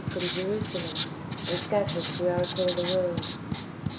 from Jerusalem], and scattered throughout all the world.